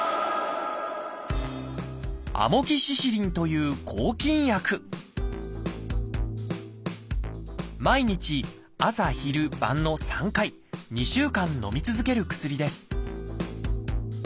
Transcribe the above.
「アモキシシリン」という抗菌薬毎日朝昼晩の３回２週間のみ続ける薬です